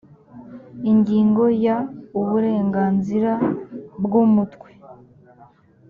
ingingo ya uburenganzira bw umutwe